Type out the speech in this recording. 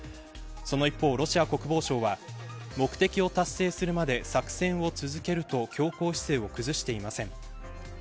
その一方、ロシア国防省は目的を達成するまで作戦を続けると強硬姿勢を崩していません。